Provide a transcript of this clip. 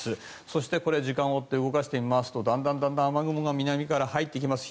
そして、時間を追って動かしてみますとだんだん雨雲が南から入ってきます。